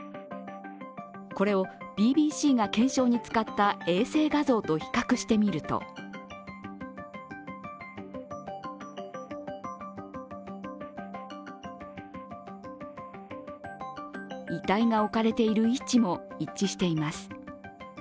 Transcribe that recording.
これをＢＢＣが検証に使った衛星画像と比較してみると遺体が置かれている位置も一致しています。